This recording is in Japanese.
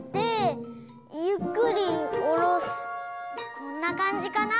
こんなかんじかな？